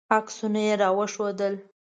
عکسونه یې راوښودل.